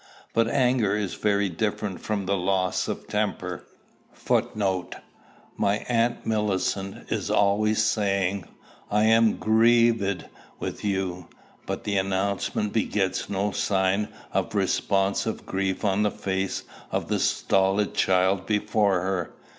But anger is very different from loss of temper. [Footnote: My Aunt Millicent is always saying, "I am grieeeved with you." But the announcement begets no sign of responsive grief on the face of the stolid child before her.